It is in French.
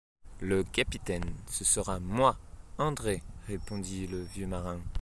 Le capitaine, ce sera moi, André, répondit le vieux marin.